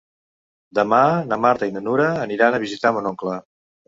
Demà na Marta i na Nura aniran a visitar mon oncle.